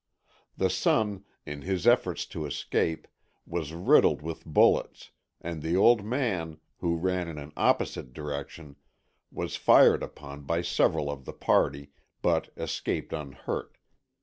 The son, in his efforts to escape, was riddled with bullets, and the old man, who ran in an opposite direction, was fired upon by several of the party, but escaped unhurt.